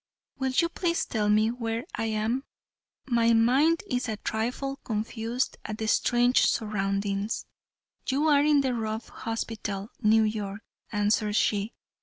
Will you please tell me where I am? My mind is a trifle confused at the strange surroundings." "You are in the Ruff Hospital, New York," answered she.